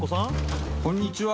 こんにちは！